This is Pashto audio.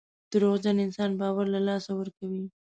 دروغجن انسان باور له لاسه ورکوي.